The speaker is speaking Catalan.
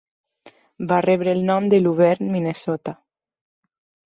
Va rebre el nom de Luverne, Minnesota.